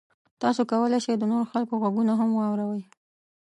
تاسو کولی شئ د نورو خلکو غږونه هم واورئ.